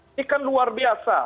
ini kan luar biasa